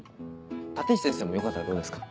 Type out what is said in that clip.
立石先生もよかったらどうですか？